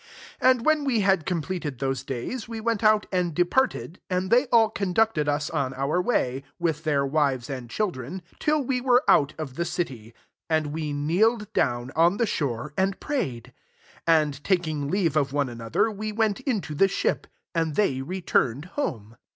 5 And when we had completed those days, we went out and departed^ and they all conducted us on our way, with their wives and children, till we were out of the city : and we kneeled down on the shore, and prayed. 6 And taking leave of one another^ we (?ent into the ship ; and they returned home.